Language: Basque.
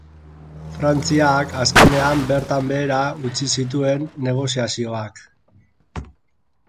Frantziak, azkenean, bertan behera utzi zituen negoziazioak.